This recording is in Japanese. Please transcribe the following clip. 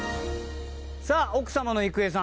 さあ奥様の郁恵さん